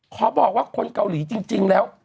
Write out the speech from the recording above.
ขอบอกว่าคนเกาหลีจริงแล้ว